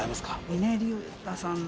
峰竜太さんの。